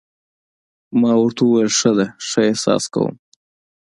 ما ورته وویل: ښه ده، ښه احساس کوم.